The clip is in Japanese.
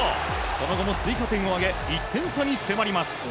その後も追加点を挙げ１点差に迫ります。